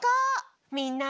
みんな！